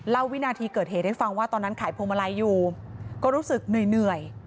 วินาทีเกิดเหตุให้ฟังว่าตอนนั้นขายพวงมาลัยอยู่ก็รู้สึกเหนื่อย